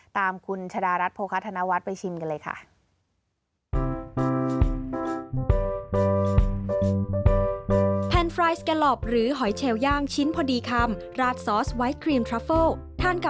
ตามคุณชะดารัฐโภคาธนวัฒน์ไปชิมกันเลยค่ะ